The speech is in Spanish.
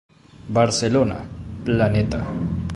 Barcelona, Planeta.